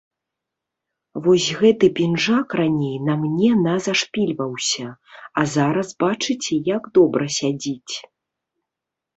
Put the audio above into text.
Вось гэты пінжак раней на мне на зашпільваўся, а зараз, бачыце, як добра сядзіць.